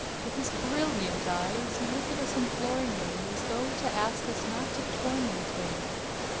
With his brilliant eyes he looked at us imploringly as though to ask us not to torment him.